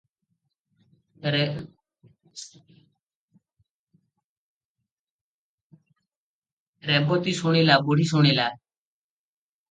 ରେବତୀ ଶୁଣିଲା, ବୁଢ଼ୀ ଶୁଣିଲା ।